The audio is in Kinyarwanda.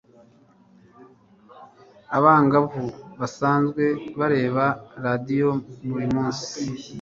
abangavu basanzwe bareba radiyo buri munsi